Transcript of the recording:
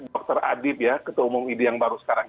dokter adib ya ketua umum ini yang baru sekarang